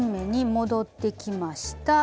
戻ってきました。